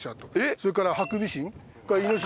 それからハクビシンイノシシ。